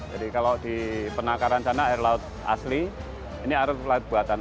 jadi kalau di penangkaran sana air laut asli ini air laut buatan